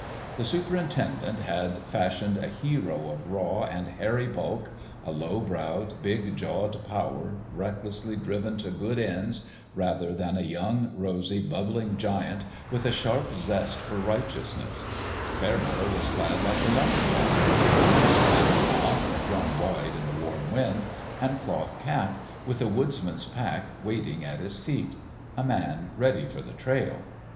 The superintendent had fash ioned a hero of raw and hairy bulk, a low browed, big jawed power, recklessly driven to good ends, rather than a young, rosy, bubbling giant with a sharp zest for righteousness. Fair meadow was clad like a lumber jack, boots, 221 222 What HAPPENED to TOM HITCH mackinaw (thrown wide in the warm wind), and cloth cap, with a woodsman's pack waiting at his feet: a man ready for the trail.